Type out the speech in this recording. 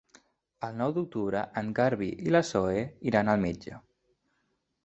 El nou d'octubre en Garbí i na Zoè iran al metge.